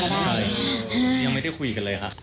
ใช่ยังไม่ได้คุยกันเลยครับ